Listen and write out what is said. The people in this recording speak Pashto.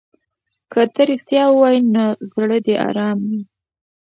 که ته رښتیا ووایې نو زړه دې ارام وي.